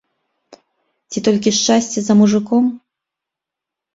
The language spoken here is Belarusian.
Ці толькі шчасце за мужыком?